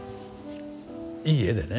いい絵でね。